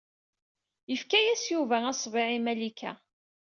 Yefka-yas Yuba aṣebbiɛ i Malika.